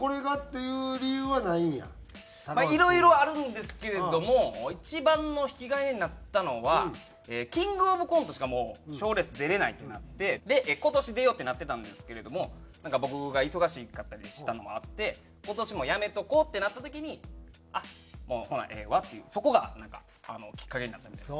いろいろあるんですけれども一番の引き金になったのはキングオブコントしかもう賞レース出れないってなって今年出ようってなってたんですけれどもなんか僕が忙しかったりしたのもあって今年もやめとこうってなった時にあっもうほんならええわっていうそこがなんかきっかけになったみたいで。